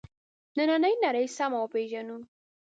نننۍ نړۍ سمه وپېژنو.